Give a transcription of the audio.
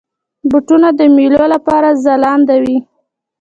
بوټونه د میلو لپاره ځلنده وي.